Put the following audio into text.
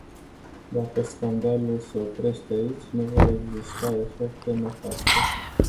Dacă scandalul se oprește aici, nu vor exista efecte nefaste.